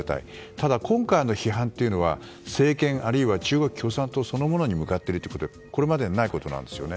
ただ、今回の批判というのは政権、あるいは中国共産党そのものに向かっているというこれまでにないことなんですね。